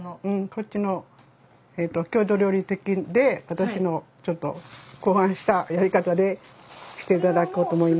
こっちの郷土料理的で私の考案したやり方でしていただこうと思います。